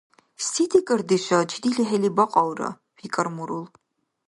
– Се декӀардеша чиди лихӀили бакьалра? – викӀар мурул.